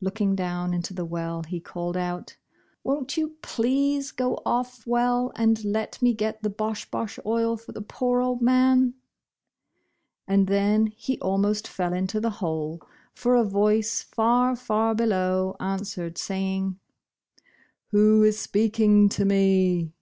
Looking down into the well he called out, ••Won't you please go otF, Well, and let me get the Bosh Bosh Oil for the poor old man ?"' And then, he almost fell into the hole, for a voice far, far below answered, saving, "Who is speaking to me?"